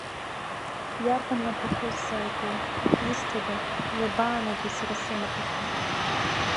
Иарбан маҭәақәоу исзааиго, изҭада, иабаанагеи сара сымаҭәақәа?